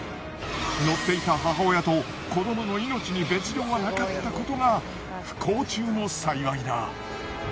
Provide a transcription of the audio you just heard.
乗っていた母親と子どもの命に別状はなかったことが不幸中の幸いだ。